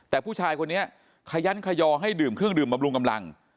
แต่ผู้ชายคนนี้ขยันขยอให้ดื่มเครื่องดื่มบำรุงกำลัง